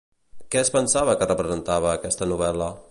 Què es pensava que representava aquesta novel·la?